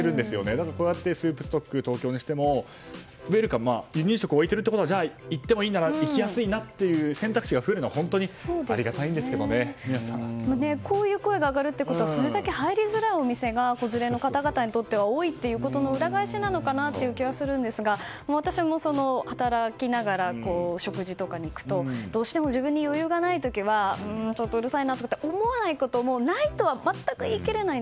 だから、こうやってスープストックトーキョーでも離乳食を置いているなら行きやすいなという選択肢が増えるのはありがたいですけどこういう声が上がるというのはお店が子連れの方々にとっては多いということの裏返しかなと思うんですが私も、働きながら食事とかに行くとどうしても自分に余裕がない時はちょっとうるさいなと思うことがないとは全く言い切れません。